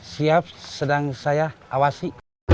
terus saya awasi